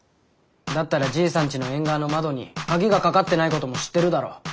だったらじいさんちの縁側の窓に鍵がかかってないことも知ってるだろ。